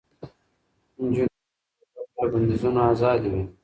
نجونې باید د زده کړې له بندیزونو آزادې وي.